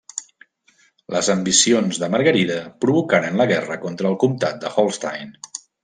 Les ambicions de Margarida provocaren la guerra contra el comtat de Holstein.